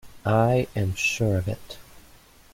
I am sure of it.